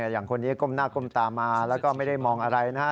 อย่างคนนี้ก้มหน้าก้มตามาแล้วก็ไม่ได้มองอะไรนะฮะ